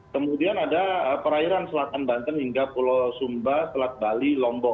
kemudian ada perairan selatan banten hingga pulau sumba selat bali lombok